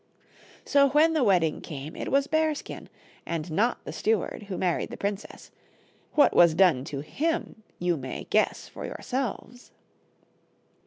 So when the wedding came it was Bearskin, and not the steward, who married the princess ; what was done to him you may guess for yourselves.